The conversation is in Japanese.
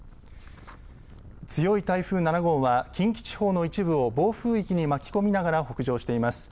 強い台風７号は近畿地方の一部を暴風域に巻き込みながら北上しています。